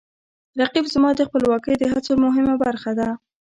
رقیب زما د خپلواکۍ د هڅو مهمه برخه ده